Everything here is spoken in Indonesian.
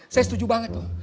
saya setuju banget tuh